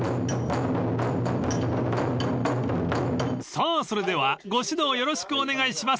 ［さあそれではご指導よろしくお願いします］